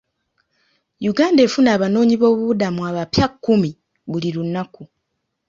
Uganda efuna abanoonyi boobubudamu abapya kkumi buli lunaku.